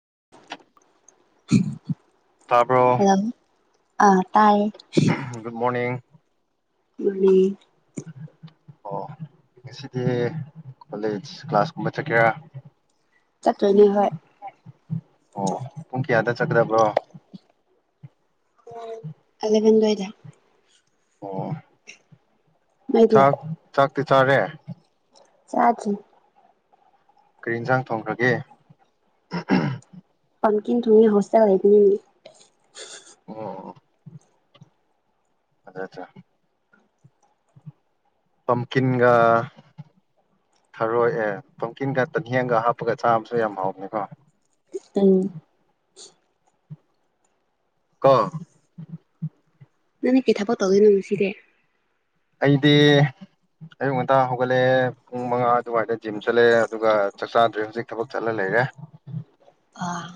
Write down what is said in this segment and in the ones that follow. [inaudible] ꯎꯝ ꯇꯥꯄꯣ ꯑꯥ ꯇꯥꯏꯌꯦ [unintelligible] ꯑꯣ ꯉꯁꯤꯗꯤ ꯀꯣꯂꯦꯖ ꯀ꯭ꯂꯥꯁ ꯀꯨꯝꯕ ꯆꯠꯀꯦꯔꯥ ꯆꯇꯅꯤ ꯍ ꯆꯒꯗꯕ꯭ꯔꯣ ꯎꯝ ꯑꯗꯒꯅ‌ꯦ [inaudible] ꯑꯣ ꯅꯣꯏꯗꯤ ꯆꯥꯛ ꯆꯥꯛ [unintelligible] ꯆꯔꯦ ꯆꯥꯗꯔꯤ ꯀꯔꯤ ꯌꯦꯟꯁꯥꯡ ꯊꯣꯡꯈ꯭ꯔꯒꯦ ꯄꯝ ꯀꯅ ꯊꯃꯤ ꯍꯣꯁꯇꯦꯜ ꯍꯥꯏꯅꯤ ꯑꯣ ꯑꯆꯥ ꯑꯠꯆꯥ ꯄꯝꯀꯤꯟꯒ ꯊꯔꯣꯏ ꯑꯦ ꯄꯝꯀꯤꯟꯒ ꯇꯟꯍꯦꯟꯒ ꯍꯥꯞꯄꯒ ꯆꯥꯕꯁꯨ ꯌꯥꯝ ꯍꯥꯎꯅꯤꯀꯣ꯫ ꯎꯝ꯫ ꯀꯣ꯫ ꯅꯪꯅꯦ ꯀꯩꯊꯕꯣꯠ ꯇꯧꯗꯣꯏꯅꯣ ꯉꯁꯤꯗꯤ꯫ ꯑꯩꯗꯤ ꯑꯌꯨꯛ ꯉꯟꯇꯥ ꯍꯧꯒꯠꯂꯛꯑꯦ ꯄꯨꯡ ꯃꯉꯥ ꯑꯗꯨꯋꯥꯏꯗ ꯖꯤꯝ ꯆꯠꯂꯑꯦ ꯑꯗꯨꯒ ꯆꯥꯛ ꯆꯥꯗ꯭ꯔꯦ ꯍꯧꯖꯤꯛ ꯊꯕꯛ ꯆꯠꯂ ꯂꯩꯔꯦ꯫ ꯑꯥ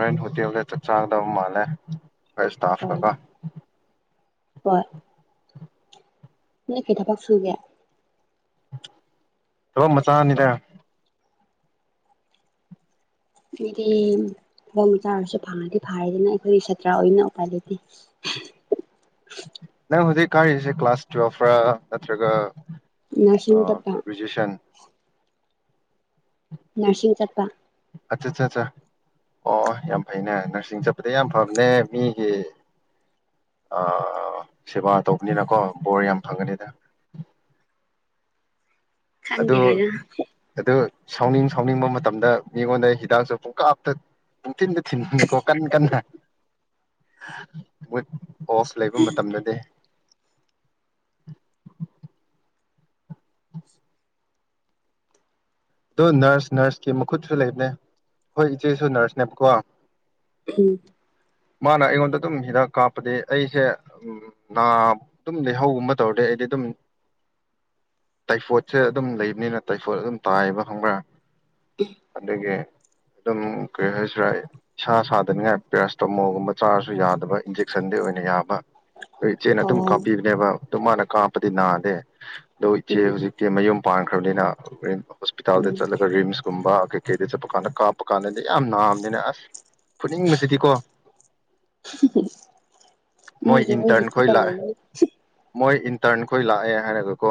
ꯍꯣꯔꯦꯟ ꯍꯣꯇꯦꯜꯗ ꯆꯥꯛ ꯆꯥꯒꯗꯕ ꯃꯥꯜꯂꯦ ꯑꯩꯈꯣꯏ ꯏꯁꯇꯥꯐ ꯍꯣꯏ ꯀꯥ ꯀꯣ ꯍꯣꯏ꯫ ꯅ‌ꯣꯏ ꯀꯩꯗꯕꯛ ꯁꯨꯔꯒꯦꯌꯥ꯫ ꯊꯕꯛ ꯃꯆꯥꯅꯤꯗ ꯍꯥꯏꯗꯤ ꯊꯕꯛ ꯃꯆꯥ ꯑꯣꯏꯔꯥꯁꯨ ꯐꯪꯉꯗꯤ ꯐꯥꯔꯦꯗꯅ ꯑꯩꯈꯣꯏꯒꯤ ꯁꯥꯇ꯭ꯔ ꯑꯣꯏꯅ ꯎꯄꯥꯏ ꯂꯩꯇꯦ꯫ ꯑꯩꯅ ꯍꯧꯖꯤꯛ ꯀꯥꯔꯤꯁꯦ ꯀ꯭ꯂꯥꯁ ꯇꯨꯋꯦꯜꯐꯥ ꯅꯠꯇ꯭ꯔꯒ꯫ ꯅꯨꯔꯁꯤꯟ ꯆꯇꯄꯥ꯫ ꯒ꯭ꯔꯦꯖꯨꯑꯦꯁꯟ ꯅꯨꯔꯁꯤꯡ ꯆꯄ꯫ ꯑꯠꯆꯥ ꯑꯠꯆꯥ ꯑꯠꯆꯥ ꯑꯣ ꯑꯣ ꯌꯥꯝ ꯐꯩꯅꯦ ꯅꯔꯁꯤꯡ ꯆꯠꯄꯗ ꯌꯥꯝ ꯐꯕꯅꯦ ꯃꯤꯒꯤ ꯁꯦꯕꯥ ꯇꯧꯕꯅꯤꯅꯀꯣ ꯕꯣꯔ ꯌꯥꯝ ꯐꯪꯒꯅꯤꯗ ꯑꯗꯣ ꯈꯪꯗꯦꯗ ꯑꯗꯣ꯫ ꯁꯥꯎꯅꯤꯡ ꯁꯥꯎꯅꯤꯡꯕ ꯃꯇꯝꯗ ꯃꯤꯉꯣꯟꯗ ꯍꯤꯗꯥꯛꯁꯨ ꯄꯨꯡꯀꯥꯞꯇ ꯄꯨꯡꯊꯤꯟꯗ꯫ ꯊꯤꯟꯕ ꯅꯤꯀꯣ ꯀꯟꯅꯥ ꯀꯟꯅꯥ꯫ ꯃ꯫ ꯑꯣꯐ ꯂꯩꯕ ꯃꯇꯝꯗꯗꯤ꯫ ꯎ꯫ ꯫ ꯑꯗꯣ ꯅꯔꯁ ꯅꯔꯁꯀꯤ ꯃꯈꯨꯠꯁꯨ ꯂꯩꯕꯅꯦ ꯍꯣꯏ ꯏꯆꯦꯁꯨ ꯅꯔꯁ ꯅꯦꯕꯀꯣ꯫ ꯎꯝ꯫ ꯃꯥꯅ ꯑꯩꯉꯣꯟꯗ ꯑꯗꯨꯝ ꯍꯤꯗꯥꯛ ꯀꯥꯞꯄꯗꯤ ꯑꯩꯁꯦ ꯅꯥ ꯑꯗꯨꯝ ꯂꯩꯍꯧꯒꯨꯝ ꯇꯧꯔꯗꯤ ꯑꯩꯗꯤ ꯑꯗꯨꯝ ꯇꯥꯏꯐꯣꯠꯁꯦ ꯑꯗꯨꯝ ꯂꯩꯕꯅꯤꯅ ꯇꯥꯏꯐꯣꯠ ꯑꯗꯨꯝ꯫ ꯇꯥꯏꯕ ꯈꯪꯕ꯭ꯔꯥ꯫ ꯑꯗꯨꯒꯤ꯫ ꯑꯗꯨꯝ ꯀꯔꯤ ꯍꯥꯏꯁꯤꯔꯥ ꯏꯁꯥ ꯁꯥꯗꯅꯤꯡꯉꯥꯏ ꯄꯦꯔꯥꯁꯇꯣꯃꯣꯜꯒꯨꯝꯕ ꯆꯥꯔꯁꯨ ꯌꯥꯗꯕ ꯏꯟꯖꯦꯛꯁꯟꯗꯤ ꯑꯣꯏꯅ ꯌꯥꯕ꯫ ꯑꯩꯏ ꯏꯆꯦꯅ ꯑꯗꯨꯝ ꯑꯣ ꯀꯥꯞꯄꯤꯕꯅꯦꯕ꯫ ꯑꯗꯨ ꯃꯥꯅ ꯀꯥꯞꯄꯗꯤ ꯅꯥꯗꯦ꯫ ꯑꯗꯨ ꯏꯆꯦ ꯎꯝ ꯍꯧꯖꯤꯛꯇꯀꯤ ꯃꯌꯨꯝ꯫ ꯄꯥꯟꯈ꯭ꯔꯕꯅꯤꯅ ꯍꯣꯔꯦꯟ꯫ ꯎꯝ ꯍꯣꯁꯄꯤꯇꯥꯜꯗ ꯆꯠꯂꯒ ꯔꯤꯝꯁꯀꯨꯝꯕ꯫ ꯀꯩꯗ ꯆ ꯄꯀꯥꯥꯟꯗ ꯀꯥ ꯄꯀꯥꯗꯅꯦ ꯌꯥꯝꯅ ꯅꯥꯕꯥꯅꯦ ꯑꯁ꯫ ꯐꯨꯅꯤꯡꯕꯁꯤꯗꯤꯀꯣ ꯃꯣꯏ ꯃꯤꯒꯤ ꯃꯤꯒꯤ ꯏꯟꯇꯔꯟ ꯈꯣꯏ ꯈꯨꯠꯇ ꯂꯥꯛꯑꯦ ꯂꯩꯕꯅꯤ ꯃꯣꯏ꯫ ꯇꯔꯟ ꯈꯣꯏ ꯂꯥꯛꯑꯦ ꯍꯥꯏꯔꯒ ꯀꯣ꯫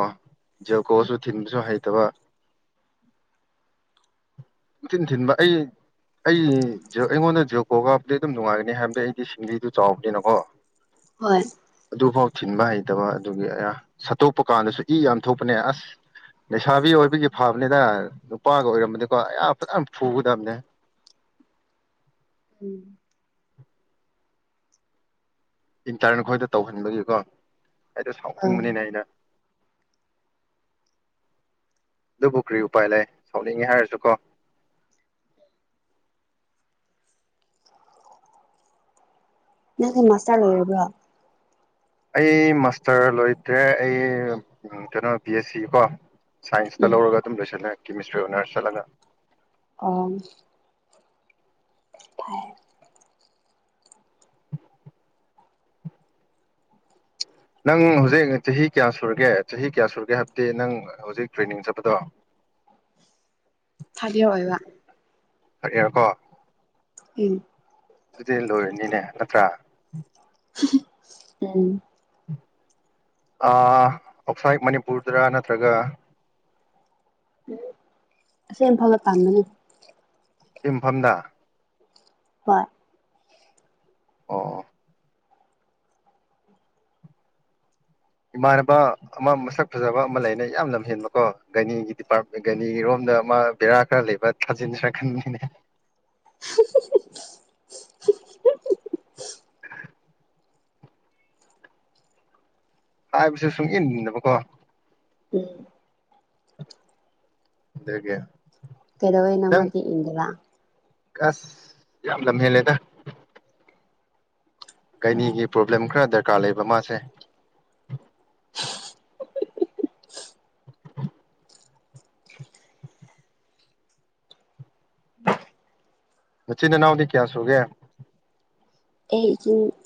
ꯌꯥ ꯀꯣꯁꯨ ꯊꯤꯟꯕꯁꯨ ꯍꯩꯇꯦ꯫ ꯑꯠꯇꯕ꯫ ꯊꯤꯟ ꯊꯤꯟꯕ ꯑꯩ ꯑꯩ ꯑꯩꯉꯣꯟꯗ ꯖꯣ ꯀꯣ ꯀꯥꯞꯄꯗꯤ ꯑꯗꯨꯝ ꯅꯨꯡꯉꯥꯏꯒꯅꯤ ꯍꯥꯏꯕꯗꯤ ꯑꯩꯗꯤ ꯁꯤꯡꯂꯤꯗꯨ ꯆꯥꯎꯕꯅꯤꯅꯀꯣ꯫ ꯍꯣꯏ꯫ ꯐꯥꯎ ꯊꯤꯟꯕ ꯍꯩꯇꯕ ꯑꯗꯨꯒꯤ ꯁꯠꯇꯣꯛꯄ ꯀꯥꯟꯗꯁꯨ ꯏ ꯌꯥꯝ ꯊꯣꯛꯄꯅꯦ ꯑꯁ ꯂꯩꯁꯥꯕꯤ ꯑꯣꯏꯕꯒꯤ ꯐꯕꯅꯤꯗ ꯅꯨꯄꯥꯒ ꯑꯣꯏꯔꯝꯕꯅꯤꯀꯣ ꯑ ꯐꯖꯅ ꯐꯨꯒꯗꯕꯅꯦ꯫ ꯎꯝ ꯏꯟꯇꯔꯟ ꯑꯩꯈꯣꯏꯗ ꯇꯧꯍꯟꯕꯒꯤꯀꯣ ꯑꯩꯗꯣ ꯑꯥ ꯁꯥꯎꯅꯤꯡꯕꯅꯤꯅꯦ ꯑꯩꯅ ꯑꯗꯨꯕꯨ ꯀꯔꯤ ꯎꯄꯥꯏ ꯂꯩ ꯁꯥꯎꯅꯤꯡꯉꯦ ꯍꯥꯏꯔꯁꯨꯀꯣ ꯅꯪꯗꯤ ꯃꯥꯁꯇ꯭ꯔ ꯂꯣꯏꯔꯕ꯭ꯔꯣ ꯑꯩ ꯃꯥꯁꯇꯔ ꯂꯣꯏꯗꯦ ꯑꯩ ꯎꯝ ꯀꯩꯅꯣ ꯕꯤ ꯑꯦꯁ ꯁꯤ ꯀꯣ ꯁꯥꯏꯟꯁꯇ ꯎꯝ ꯂꯧꯔꯒ ꯑꯗꯨꯝ ꯂꯣꯏꯁꯤꯜꯂꯦ꯫ ꯀꯦꯃꯤꯁꯇ꯭ꯔꯤ ꯑꯣꯅꯔꯁ ꯆꯠꯂꯅꯤ꯫ ꯑꯥ ꯎꯝ ꯑꯧ ꯅꯪ ꯍꯧꯖꯤꯛ ꯆꯍꯤ ꯀꯌꯥ ꯁꯨꯔꯒꯦ ꯆꯍꯤ ꯀꯌꯥ ꯁꯨꯔꯒꯦ ꯍꯥꯏꯕꯗꯤ ꯅꯪ ꯍꯧꯖꯤꯛ ꯇ꯭ꯔꯦꯅꯤꯡ ꯆꯠꯄꯗꯣ꯫ ꯊ꯭ꯔꯥꯠ ꯌꯤꯌ꯭ꯔ ꯑꯣꯏꯕ꯫ ꯊ꯭ꯔꯥꯠ ꯌꯤꯌ꯭ꯔ ꯀꯣ꯫ ꯎꯝ ꯑꯗꯨꯗꯤ ꯂꯣꯏꯔꯅꯤꯅꯦ ꯅꯠꯇ꯭ꯔꯥ꯫ ꯎꯝ ꯑꯥ ꯑꯣꯠꯁꯥꯏꯠ ꯃꯅꯤꯄꯨꯔꯗꯔ ꯅꯠꯇ꯭ꯔꯒ ꯑꯁꯤ ꯏꯝꯐꯥꯂꯗ ꯇꯝ ꯕꯅꯦ꯫ ꯁꯤꯟꯐꯝꯗ ꯍꯣꯏ꯫ ꯑꯣ- ꯏꯃꯥꯟꯅꯕ ꯑꯃ ꯃꯁꯛ ꯐꯖꯕ ꯑꯃ ꯂꯩꯅꯦ ꯌꯥꯝ ꯂꯝꯍꯦꯟꯕꯀꯣ ꯒꯅꯤꯒꯤ ꯗꯤꯄꯥꯔꯠꯦꯟ ꯒꯅꯤꯒꯤꯔꯣꯝꯗ ꯑꯃ ꯕꯦꯔꯥ ꯈꯔ ꯂꯩꯕ ꯊꯥꯖꯤꯟꯁꯤꯔ ꯈꯟꯕꯅꯤꯅꯦ꯫ ꯍꯥꯏ ꯕꯁꯨ ꯁꯨꯡꯏꯟꯏꯟꯗꯕꯣꯀꯣ ꯎꯝ ꯗꯨꯒꯤ ꯀꯦꯗꯧꯔꯦ ꯅꯃꯗꯤ ꯏꯗꯥ ꯑꯁ ꯌꯥꯝ ꯂꯝꯍꯦꯟ ꯂꯦꯗ꯫ ꯑꯣ ꯒꯥꯏꯅꯤꯒꯤ ꯄꯔꯣꯕꯂꯦꯝ ꯈꯔꯗ ꯗꯔꯀꯥꯔ ꯂꯩꯕ ꯃꯥꯁꯦ꯫ ꯅꯆꯤꯅꯅꯥꯎꯗꯤ ꯀꯌꯥ ꯁꯨꯒꯦ ꯑꯩ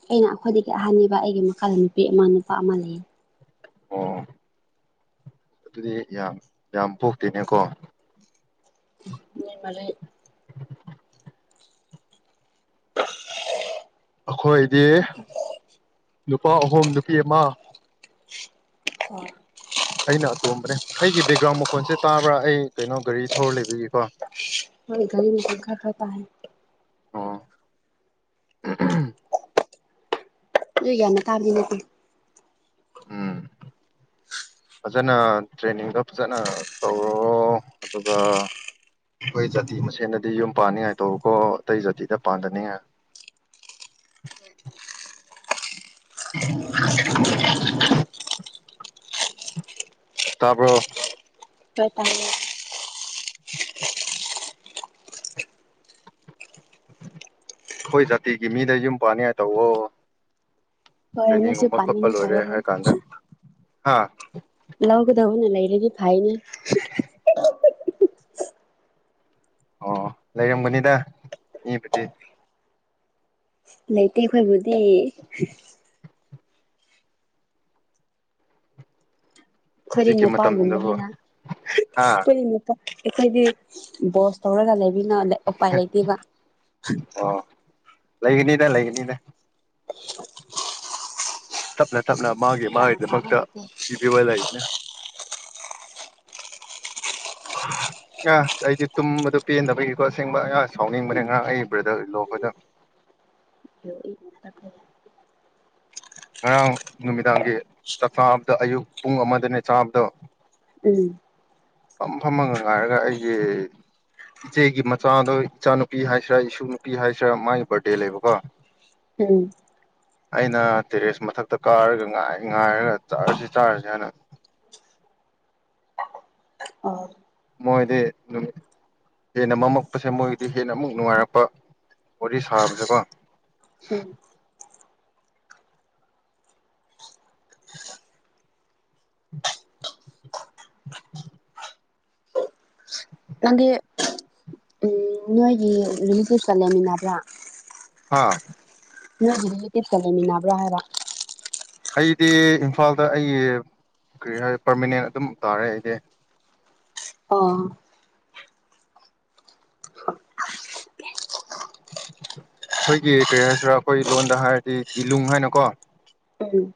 ꯑꯩꯅ ꯑꯩꯈꯣꯏꯗꯒꯤ ꯑꯍꯥꯟꯅꯦꯕ ꯑꯩꯒꯤ ꯃꯈꯥꯗ ꯅꯨꯄꯤ ꯑꯃ ꯅꯨꯄꯥ ꯑꯃ ꯂꯩꯌꯦ꯫ ꯑꯣ ꯑꯗꯨꯗꯤ ꯌꯥꯝ ꯌꯥꯝ ꯄꯣꯛꯇꯦꯅꯦꯀꯣ꯫ ꯃꯤ [unintelligible] ꯑꯩꯈꯣꯏꯗꯤ ꯅꯨꯄꯥ ꯑꯍꯨꯝ ꯅꯨꯄꯤ ꯑꯃ꯫ ꯑꯩꯅ ꯑꯇꯣꯝꯕꯅꯦ ꯑꯩꯒꯤ ꯕꯦꯛꯒ꯭ꯔꯥꯎꯟ ꯃꯈꯣꯟꯁꯦ ꯇꯥꯕ꯭ꯔꯥ ꯑꯩ ꯀꯩꯅꯣ ꯒꯥꯔꯤ ꯊꯧꯔ ꯂꯩꯕꯒꯤꯀꯣ꯫ ꯒꯔꯤ ꯅꯨꯡꯁꯤꯠ ꯔꯥ ꯈꯔꯥꯇꯥꯔꯦ꯫ ꯑꯣ [unintelligible] ꯑꯗꯨꯨꯏ ꯌꯥꯝꯅ ꯊꯥꯕꯗꯤ ꯅꯠꯇꯦ꯫ ꯎꯝ ꯐꯖꯅ ꯇ꯭ꯔꯦꯟꯅꯤꯡꯗꯣ ꯐꯖꯅ ꯇꯧꯔꯣ ꯑꯗꯨꯒ ꯑꯩꯈꯣꯏ ꯖꯥꯇꯤ ꯃꯁꯦꯟꯗꯗꯤ ꯌꯨꯝ ꯄꯥꯟꯅꯤꯡꯉꯥꯏ ꯇꯧꯀꯣ ꯑꯇꯩ ꯖꯥꯇꯤꯗ ꯄꯥꯟꯗꯅꯤꯡꯉꯥꯏ꯫ [unintelligible] [inaudible] [unintelligible] ꯇꯥꯕ꯭ꯔꯣ ꯍꯣꯏ ꯇꯏꯌꯦ꯫ ꯑꯩꯈꯣꯏ ꯖꯥꯇꯤꯒꯤ ꯃꯤꯗ ꯌꯨꯝ ꯄꯥꯅꯤꯡꯉꯥꯏ ꯇꯧꯋꯣ꯫ ꯍꯣꯏ [unintelligible] ꯁꯨ ꯇ꯭ꯔꯦꯅꯤꯡꯒꯨꯝꯕ ꯄꯅꯤꯡꯇꯕ꯫ ꯍꯥꯥ ꯂꯧꯒꯗꯧꯅ ꯂꯩꯔꯗꯤ ꯐꯩꯅꯦ ꯑꯣ ꯂꯩꯔꯝꯒꯅꯤꯗ ꯃꯤꯕꯨꯗꯤ ꯂꯩꯇꯦ ꯑꯩꯈꯣꯏꯕꯨꯗꯤ ꯈꯣꯏꯔꯤ ꯍꯧꯖꯤꯛꯀꯤ ꯃꯇꯝꯗꯕꯨ ꯅꯨꯄꯥꯒꯨꯝꯕꯅꯤꯅ ꯍꯥ ꯈꯣꯏꯗꯤ ꯅꯨꯄꯥ ꯑꯩꯈꯣꯢꯗꯤ ꯕꯣꯁ ꯇꯧꯔꯒꯂꯩ ꯅꯗ ꯎꯄꯥꯏ ꯂꯩꯇꯦꯕ ꯑꯣ ꯂꯩꯒꯅꯤꯗ ꯂꯩꯒꯅꯤꯗ ꯁꯞꯅ ꯇꯞꯅ ꯃꯥꯒꯤ ꯅꯨꯄꯤ ꯌꯥꯝꯅ ꯁꯥꯕ ꯃꯥꯒꯤꯗꯃꯛꯇ ꯍꯩꯇꯦ ꯄꯤꯕꯤꯕ ꯂꯩꯕꯅꯦ ꯑ ꯑꯩꯗꯤ ꯇꯨꯝꯕꯗ ꯄꯦꯟꯗꯕꯒꯤꯀꯣ ꯑꯁꯦꯡꯕ [unintelligible] ꯁꯥꯎꯅꯤꯡꯕꯅꯦ ꯉꯔꯥꯡ ꯑꯩ ꯕ꯭ꯔꯗꯔ ꯏꯟꯂꯣ ꯈꯣꯏꯗ [unintelligible] ꯉꯔꯥꯡ ꯅꯨꯃꯤꯗꯥꯡꯒꯤ ꯆꯥꯛ ꯆꯥꯥꯕꯗ ꯑꯌꯨꯛ ꯄꯨꯡ ꯑꯃꯗꯅꯦ ꯆꯥꯕꯗ ꯎꯝ ꯐꯝ ꯐꯝꯃꯒ ꯉꯥꯏꯔꯒ ꯑꯩꯒꯤ ꯏꯆꯦꯒꯤ ꯃꯆꯥꯗꯣ ꯏꯆꯥꯅꯨꯄꯤ ꯍꯥꯏꯁꯤꯔꯥ ꯏꯁꯨ ꯅꯨꯄꯤ ꯍꯥꯏꯁꯤꯔꯥ ꯃꯥꯒꯤ ꯕꯥꯔꯗꯦ ꯂꯩꯕꯀꯣ ꯎꯝ ꯑꯩꯅ ꯇꯦꯔꯦꯁ ꯃꯊꯛꯇ ꯀꯥꯔꯒ ꯉꯥꯏ ꯉꯥꯏꯔꯒ ꯆꯥꯔꯁꯤ ꯆꯥꯔꯁꯤ ꯍꯥꯢꯅ ꯑꯣ ꯃꯣꯏꯗꯤ ꯍꯦꯟꯅ ꯃꯝꯃꯛꯄꯁꯦ ꯃꯣꯏꯗꯤ ꯍꯦꯟꯅ ꯑꯃꯨꯛ ꯅꯨꯡꯉꯥꯏꯔꯛꯄ ꯋꯥꯔꯤ ꯁꯥꯕꯁꯦꯀꯣ ꯎꯝ [unintelligible] ꯅꯪꯒꯤ ꯎꯝ ꯅꯣꯏꯒꯤ ꯔꯤꯂꯤꯇꯤꯞꯁꯀ ꯂꯩꯃꯤꯟꯅꯕ꯭ꯔꯥ ꯍꯥꯥ ꯅꯣꯏꯒꯤ ꯔꯤꯂꯦꯇꯤꯞꯁꯀ ꯂꯩꯃꯤꯟꯅꯕ꯭ꯔ ꯍꯥꯏꯕ ꯑꯩꯗꯤ ꯏꯝꯐꯥꯜꯗ ꯑꯩ ꯀꯔꯤ ꯍꯥꯏ ꯄꯔꯃꯤꯅꯦꯟ ꯑꯗꯨꯝ ꯇꯥꯔꯦ ꯑꯩꯗꯤ ꯑꯣ ꯑꯩꯈꯣꯏꯒꯤ ꯀꯔꯤ ꯍꯥꯏꯁꯤꯔꯥ ꯑꯩꯈꯣꯏ ꯂꯣꯟꯗ ꯍꯥꯏꯔꯗꯤ ꯗꯤꯂꯨꯡ ꯍꯥꯏꯅꯀꯣ ꯎꯝ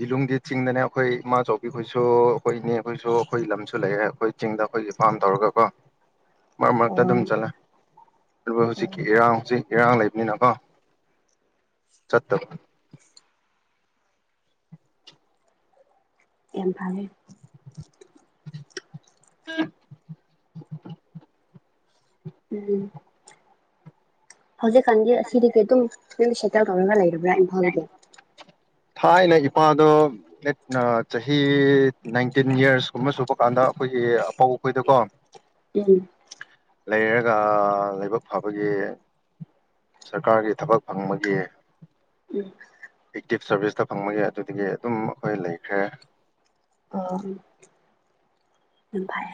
ꯗꯤꯂꯨꯡꯗꯤ ꯆꯤꯡꯗꯅꯦ ꯑꯈꯣꯏ ꯏꯃꯥꯆꯧꯕꯕꯤꯈꯣꯏꯁꯨ ꯑꯩꯈꯣꯏ ꯏꯅꯦ ꯈꯣꯏꯁꯨ ꯑꯩꯈꯣꯏ ꯂꯝꯁꯨ ꯂꯩꯔꯦ ꯑꯩꯈꯣꯏ ꯆꯤꯡꯗ ꯑꯩꯈꯣꯏꯒꯤ ꯐꯥꯝ ꯇꯧꯔꯒꯀꯣ ꯃꯔꯛ ꯃꯔꯛꯇ ꯑꯗꯨꯝ ꯑꯣ ꯆꯠꯂꯦ ꯑꯗꯨꯒ ꯍꯧꯖꯤꯛꯀꯤ ꯍꯣꯏ ꯏꯔꯥꯡ ꯍꯧꯖꯤꯛ ꯏꯔꯥꯡ ꯂꯩꯕꯅꯤꯅꯀꯣ ꯆꯠꯇꯕ ꯌꯥꯝ ꯐꯩꯅꯦ [unintelligible] ꯎꯝ ꯍꯧꯖꯤꯛꯀꯥꯟꯗꯤ ꯑꯁꯤꯗꯒꯤ ꯑꯗꯨꯝ ꯅꯣꯏꯅ ꯁꯦꯇꯜ ꯇꯧꯔꯒ ꯂꯩꯔꯕ꯭ꯔꯥ ꯏꯝꯐꯥꯜꯗꯒꯤ ꯊꯥꯏꯅ ꯏꯄꯥꯗꯣ ꯆꯍꯤ ꯅꯥꯏꯟꯇꯤꯟ ꯌꯔꯁ ꯀꯨꯝꯕ ꯁꯨꯕ ꯀꯥꯟꯗ ꯑꯩꯈꯣꯏꯒꯤ ꯑꯄꯧ ꯒꯤꯗꯀꯣ ꯎꯝ ꯂꯩꯔꯒ ꯂꯥꯏꯕꯛ ꯐꯕꯒꯤ ꯁꯔꯀꯥꯔꯒꯤ ꯊꯕꯛ ꯐꯪꯕꯒꯤ ꯎꯝ [unintelligible] ꯁꯔꯚꯤꯁꯇ ꯐꯪꯕꯒꯤ ꯑꯗꯨꯗꯒꯤ ꯑꯗꯨꯝ ꯑꯩꯈꯣꯏ ꯂꯩꯈ꯭ꯔꯦ ꯑ ꯌꯥꯝꯐꯩ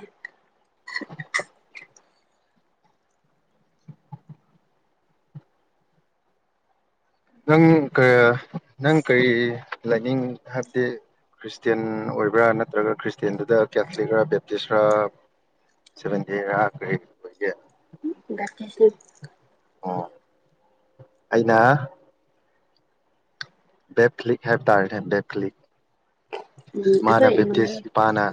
ꯅꯪ ꯀ ꯅꯪ ꯀꯩ ꯂꯥꯏꯅꯤꯡ ꯍꯥꯏꯕꯗꯤ ꯈ꯭ꯔꯤꯁꯇꯦꯟ ꯑꯣꯏꯕ꯭ꯔꯥ ꯅꯠꯇ꯭ꯔꯒ ꯈ꯭ꯔꯤꯁꯇꯦꯟꯗꯨꯗ ꯀꯦꯊꯂꯤꯛꯔ ꯕꯦꯞꯇꯤꯁꯔ ꯁꯚꯦꯟꯇꯤꯔ ꯀꯔꯤ ꯑꯣꯏꯒꯦ [unintelligible] ꯑꯣ ꯑꯩꯅ ꯕꯦꯞ ꯐꯂꯤꯛ ꯍꯥꯏ ꯇꯥꯔꯦꯅꯦ ꯕꯦꯞ ꯐꯂꯤꯛ ꯎꯝ ꯏꯃꯥꯅ ꯑꯩꯈꯣꯏ ꯕꯦꯞꯇꯤꯁ ꯏꯃꯥꯟꯅꯕ ꯏꯄꯥꯅ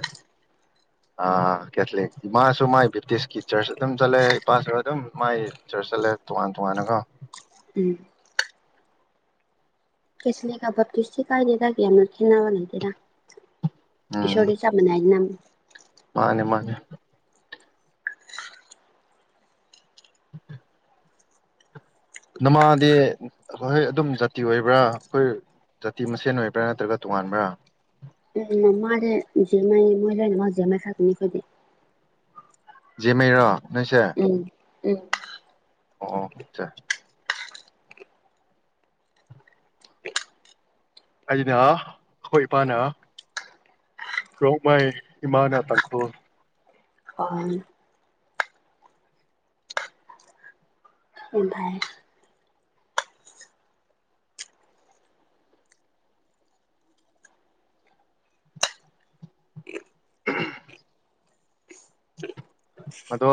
ꯀꯦꯊꯂꯤꯛ ꯏꯃꯥꯁꯨ ꯃꯥꯏ ꯕꯦꯞꯇꯤꯁꯀꯤ ꯆꯔꯆ ꯑꯗꯨꯝ ꯆꯠꯂꯦ ꯏꯄꯥꯁꯨ ꯑꯗꯨꯝ ꯃꯥꯏ ꯆꯔꯆ ꯆꯠꯂꯦ ꯇꯣꯉꯥꯟ ꯇꯣꯉꯥꯟꯅꯒ ꯎꯝ ꯀꯁꯅꯦꯒꯕꯇꯨꯁꯨ ꯁꯤꯀꯥꯏꯗꯦꯗꯥꯒꯅ ꯀꯅꯕ ꯂꯩꯗꯦꯗꯥ ꯎꯝ ꯏꯁꯁꯣꯔ ꯆ ꯃꯅꯥꯏꯅ ꯃꯥꯅꯦ ꯃꯥꯅꯦ ꯎꯝꯦ ꯅꯃꯥꯗꯤ ꯍꯍꯣꯏ ꯑꯗꯨꯝ ꯖꯥꯇꯤ ꯑꯣꯏꯕ꯭ꯔꯥ ꯑꯩꯈꯣꯏ ꯖꯥꯇꯤ ꯃꯁꯦꯟ ꯑꯣꯏꯕ꯭ꯔꯥ ꯅꯠꯇ꯭ꯔꯒ ꯇꯣꯉꯥꯟꯕ꯭ꯔꯥ ꯃꯥꯅꯦꯦ ꯖ ꯃꯥꯏ ꯃꯣꯏ ꯂꯣꯏꯅ ꯃꯥ ꯖꯦ ꯃꯥꯏ ꯁꯥꯇꯅꯤ ꯑꯩꯈꯣꯏꯗꯤ ꯖ ꯃꯩꯔꯣ ꯅꯤꯡꯆꯦ ꯎ ꯑꯣꯆꯥ ꯑꯅ ꯑꯩꯈꯣꯏ ꯏꯄꯥꯅꯥ ꯔꯣꯃꯥꯏ ꯏꯃꯥ ꯇꯪꯈꯣꯜ ꯑꯣ ꯌꯥꯝ ꯐꯔꯦ [inaudible] ꯑꯗꯣ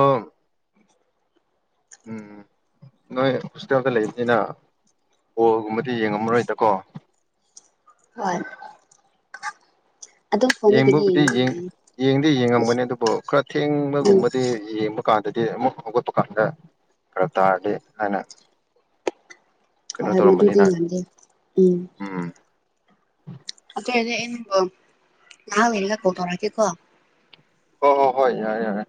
ꯎꯝ ꯅꯣꯏ ꯍꯣꯁꯄꯤꯇꯥꯦꯜꯗ ꯂꯩꯕꯅꯤꯅ ꯣꯜꯒꯨꯝꯕꯗꯤ ꯌꯦꯡꯉꯝꯃꯔꯣꯏꯗꯀꯣ ꯍꯣꯏ ꯑꯗꯨꯝ ꯐꯣꯟꯗꯒꯤꯗꯤ ꯌꯦꯡꯕꯕꯨꯗꯤ ꯌꯦꯡꯕ ꯌꯦꯡꯉꯦ ꯌꯦꯡꯗꯤ ꯏꯁ ꯌꯦꯡꯉꯝꯒꯅꯤ ꯑꯗꯨꯕꯨ ꯈꯔ ꯎꯝ ꯊꯦꯡꯕꯒꯨꯝꯕꯗꯤ ꯌꯦꯡꯕ ꯗꯨꯀꯥꯟꯗꯗꯤ ꯑꯃꯨꯛ ꯍꯧꯒꯠꯄꯗꯨꯀꯥꯟꯗ ꯈꯔ ꯇꯥꯔꯗꯤ ꯍꯥꯏꯅ ꯀꯩꯅꯣ ꯍ ꯇꯧꯔꯝꯕꯅꯤꯅ ꯃꯗꯨꯗꯤꯤꯟ ꯃꯗꯤ ꯎꯝ ꯎꯝ ꯑꯗ ꯑ ꯉꯍꯥ ꯑꯣꯏꯔꯒ ꯀꯧ ꯇꯧꯔꯛꯀꯦꯀꯣ ꯍꯣꯏ ꯍꯣ ꯍꯣꯏ ꯌꯥꯏꯔꯦ ꯌꯥꯔꯦ